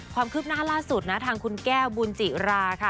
ความคืบหน้าล่าสุดนะทางคุณแก้วบุญจิราค่ะ